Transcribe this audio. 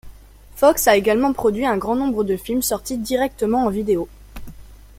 Fox a également produit un grand nombre de films sortis directement en vidéo.